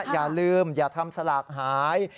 อย่าลืมอย่าทำสลากหาย